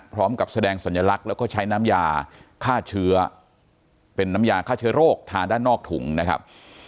พร้อมกับแสดงสัญลักษณ์แล้วก็ใช้น้ำยาฆ่าเชื้อเป็นน้ำยาฆ่าเชื้อโรคทาด้านนอกถุงนะครับ